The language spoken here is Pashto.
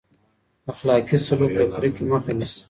اخلاقي سلوک د کرکې مخه نیسي.